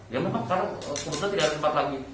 ya memang karena kebetulan tidak ada tempat lagi